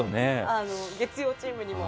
月曜チームにも。